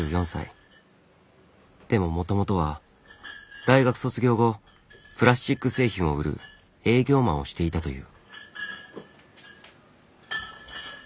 でももともとは大学卒業後プラスチック製品を売る営業マンをしていたという。